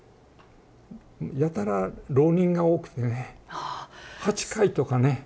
やたら浪人が多くてね８回とかね。